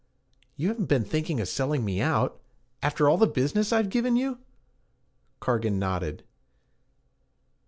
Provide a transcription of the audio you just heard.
'You haven't been thinking of selling me out after all the business I've given you?' Cargan nodded.